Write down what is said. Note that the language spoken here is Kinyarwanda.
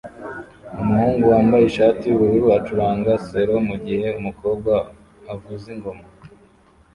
Umuhungu wambaye ishati yubururu acuranga selo mugihe umukobwa avuza ingoma